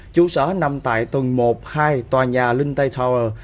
chủ sở nằm tại tuần một hai tòa nhà linh tây tower